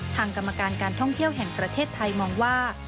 กรรมการการท่องเที่ยวแห่งประเทศไทยมองว่า